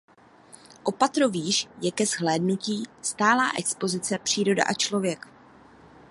O patro výš je ke zhlédnutí stálá expozice „Příroda a člověk“.